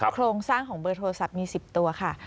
โครงสร้างของเบอร์โทรศัพท์มี๑๐ตัวค่ะ